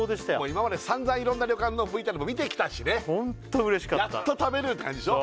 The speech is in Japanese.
今までさんざんいろんな旅館のＶＴＲも見てきたしねホント嬉しかったやっと食べれるって感じでしょ